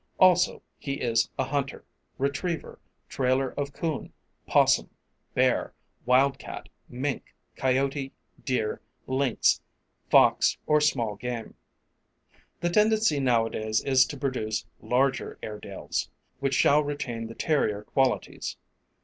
Also he is a hunter, retriever, trailer of coon, 'possum, bear, wildcat, mink, coyote, deer, lynx, fox or small game. The tendency nowadays is to produce larger Airedales, which shall retain the terrier qualities.